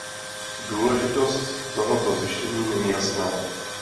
Důležitost tohoto zjištění není jasná.